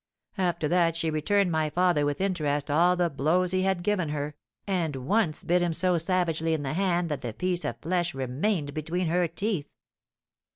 After that she returned my father with interest all the blows he had given her, and once bit him so savagely in the hand that the piece of flesh remained between her teeth.